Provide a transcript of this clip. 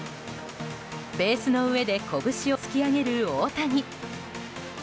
ベースの上で拳を突き上げる大谷。